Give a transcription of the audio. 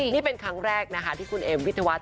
นี่เป็นครั้งแรกนะคะที่คุณเอ็มวิทยาวัฒ